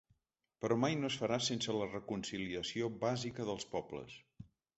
Però mai no es farà sense la reconciliació bàsica dels pobles.